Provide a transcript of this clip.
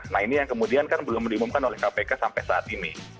nah ini yang kemudian kan belum diumumkan oleh kpk sampai saat ini